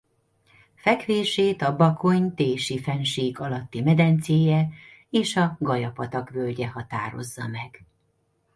Fekvését a Bakony Tési-fennsík alatti medencéje és a Gaja-patak völgye határozza meg.